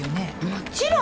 もちろん。